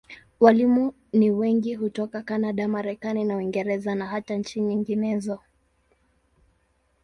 Walimu ni wengi hutoka Kanada, Marekani na Uingereza, na hata nchi nyinginezo.